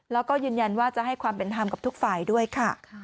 แล้วก็ยืนยันว่าจะให้ความเป็นธรรมกับทุกฝ่ายด้วยค่ะ